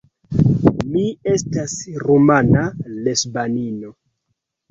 Mi estas rumana lesbanino.